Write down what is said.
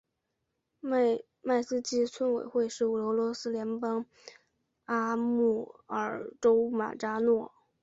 迈斯基村委员会是俄罗斯联邦阿穆尔州马扎诺沃区所属的一个村委员会。